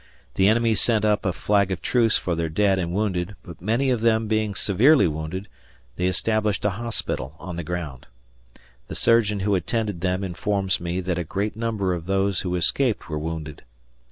The enemy sent up a flag of truce for their dead and wounded, but many of them being severely wounded, they established a hospital on the ground. The surgeon who attended them informs me that a great number of those who escaped were wounded.